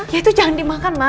ya itu jangan dimakan